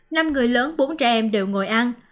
năm người lớn bốn trẻ em đều ngồi ăn